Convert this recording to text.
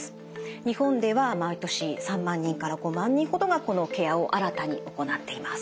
日本では毎年３万人から５万人ほどがこのケアを新たに行っています。